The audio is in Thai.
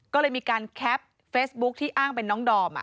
ก็เลยมีการแคปเฟซบุ๊คที่อ้างเป็นน้องดอม